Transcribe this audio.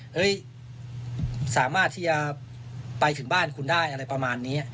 เฮ้ยสามารถที่จะไปถึงบ้านคุณได้อะไรประมาณนี้